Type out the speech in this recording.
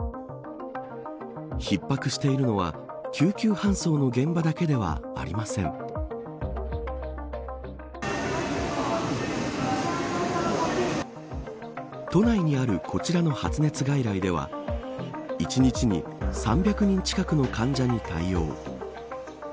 逼迫しているのは救急搬送の現場だけではありません都内にあるこちらの発熱外来では１日に３００人近くの患者に対応。